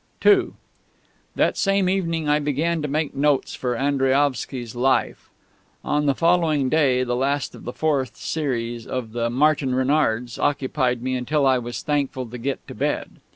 II That same evening I began to make notes for Andriaovsky's "Life." On the following day, the last of the fourth series of the Martin Renards occupied me until I was thankful to get to bed.